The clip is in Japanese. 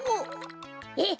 えっ？